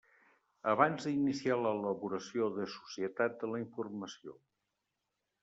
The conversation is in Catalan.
Abans d'iniciar l'elaboració de Societat de la informació.